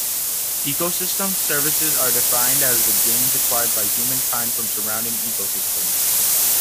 Ecosystem services are defined as the gains acquired by humankind from surroundings ecosystems.